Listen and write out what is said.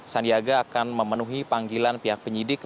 sandiaga akan memenuhi panggilan pihak penyidik